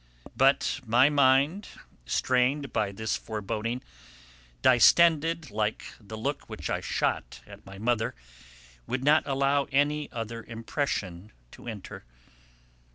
But my mind, strained by this foreboding, distended like the look which I shot at my mother, would not allow any other impression to enter.